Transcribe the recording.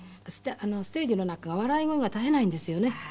ステージの中が笑い声が絶えないんですよね。